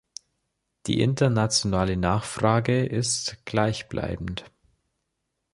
Die internationale Nachfrage ist gleich bleibend.